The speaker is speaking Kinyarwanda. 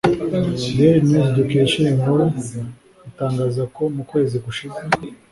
Daily News dukesha iyi nkuru itangaza ko mu kwezi gushize